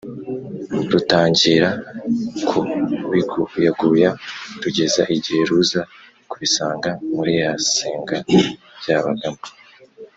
rutangira kubiguyaguya rugeza igihe ruza kubisanga muri ya senga byabagamo.